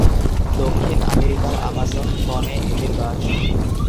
দক্ষিণ আমেরিকার আমাজন বনে এদের বাস।